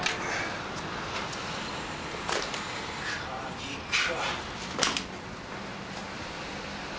鍵か。